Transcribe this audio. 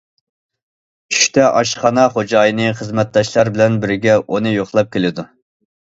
چۈشتە ئاشخانا خوجايىنى خىزمەتداشلار بىلەن بىرگە ئۇنى يوقلاپ كېلىدۇ.